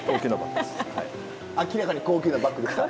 明らかに高級なバッグでした？